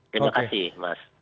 terima kasih mas